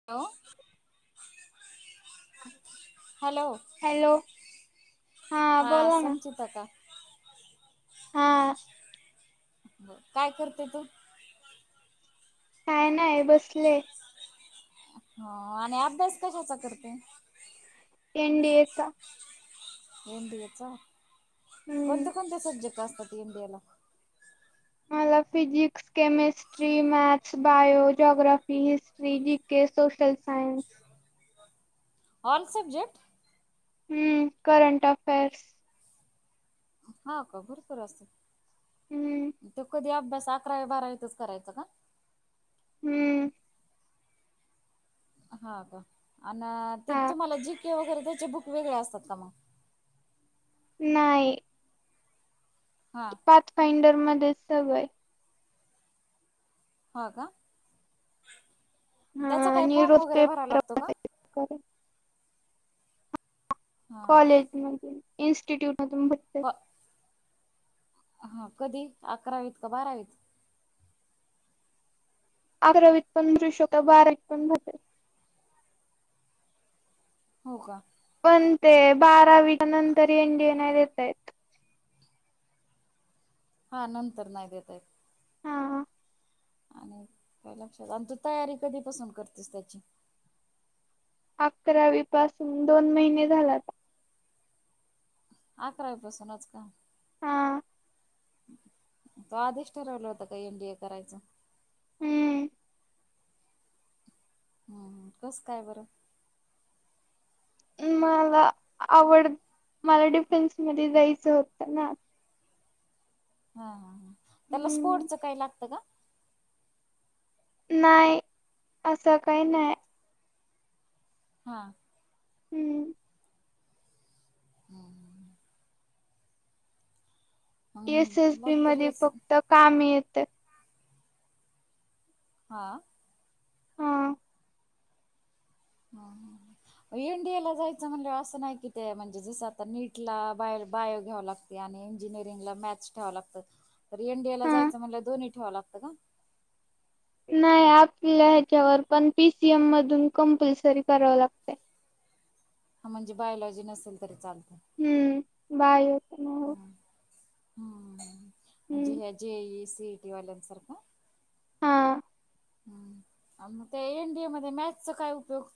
अ... hello hello हा बोला ना संचिता का?? हा... बर काय करते तू? काय नाही बसले. हा आणि अभ्यास कशाचा करते?? एनडीएचा. एनडिएचा हम्म कोणते कोणते सब्जेक्ट असतात एनडीएला?? मला physics chemistry, maths, bio, geography, history, G K, social science. All subject?? हम्म करंट अफेर्स. हा का भरपूर असते हम्म त्यो कधी अभ्यास अकरा बारावीतच करायचा का?? हम्म... हा का आन ते हा तुम्हाला जी केे वगैरे त्याचे बुक वेगळे असतात का मंग?? नाही. हा पाथ फाइंडर मध्ये सगय हा का हा त्याचा काय आणि फॉर्म रोज वगैरे भरावा पेपर लागतो का? हा कॉलेज मधून इन्स्टिट्यूट मधून. क हा कधी अकरावीत का बारावीत? अकरावीत पण भरू शकतो, बारावीत पण भरू शकतो. हो का पण ते बारावी नंतर एंडि येन नाही देता येत. हा नंतर नाही देता येत. हाहा आणि काय लक्षात आणि तू तयारी कधीपासून करतेस त्याची? अकरावी पासून दोन महिने झाल आता. अकरावीपसूनच का? हां तु आधीच ठरवला होता का एनडीए करायचा? हम्म हम् कस काय बरं? मला आवड मला डिफेन्स मध्ये जायचं होतं ना. हा ह ह त्याला हम्म स्पोर्टच काही लागतं का? नाही. असं काही नाही. हा हम्म हम. हम्म, एस एस मग व्ही तर मधी हेच फक्त काम येतं. हा. हा. हा, हा, हा. एन डी एला जायचं म्हणल्यावर असं नाही कि, ते म्हणजे जसं आता, नीटला बाय, बायो घ्याव लागत. आणि इंजिनिअरिंग ला मॅथ्स ठेवां लागतं. तर एन डी ए ला हा जायचं म्हणल्यावर, दोन्ही ठेवावं लागतं का? नाही आपल्या ह्याच्यावर. पण पी सी एम मधून कंपल्सरी करावं लागतय. हा, म्हणजे बायोलॉजी नसेल तरी चालत. हम्म. बायो. हम्म. म्हणजे हम्म ह J E, C E T वाल्यांसारखं. हां. हम्म. आ मग ते एन डी ए मध्ये मॅथ्स चा काय उपयोग?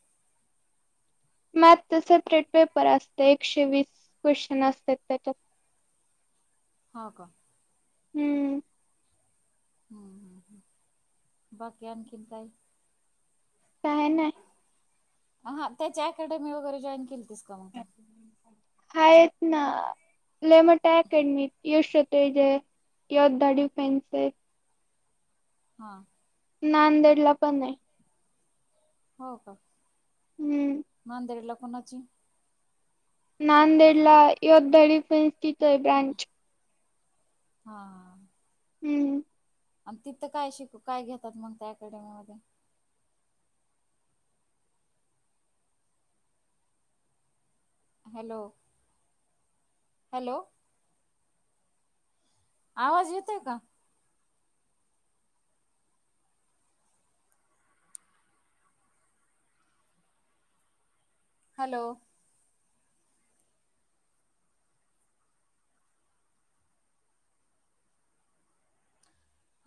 मॅथच सेपरेट पेपर असते. एकशे वीस क्वेश्चन असत्यात, त्याच्यात. हा, का? हम्म. हम्, ह्, ह. बाकी, आणखीन काय? काय नाही. अ हा, त्याची अकॅडमी वगैरे जॉईन केलतीस का, मग तू? आहेत ना. लयमठ्या अकॅडमीयत की. यशोतेजय, योद्धा डिफेन्सी. हां. नांदेडला पण आहे. हो का? हम्म. नांदेडला कुणाची? नांदेडला योद्धा डीफेन्सची तिथ ब्रांच. हा. हम्म. अन् तिथं काय शिक, काय घेतात मग त्या अकॅडमीमध्ये? Hello, hello. आवाज येतोय का? हॅलो.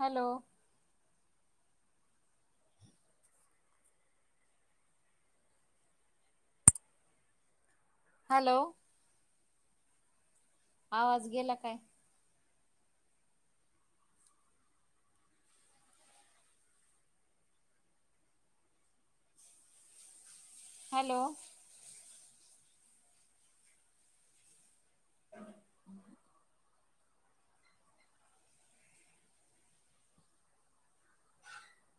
हॅलो. हॅलो. आवाज गेला काय? हॅलो. [inaudible] [inaudible]